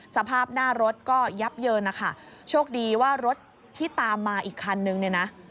สภาพหน้ารถก็ยับเยินนะคะโชคดีว่ารถที่ตามมาอีกคันนึงเนี่ยนะ